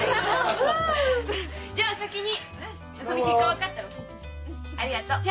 ありがとう。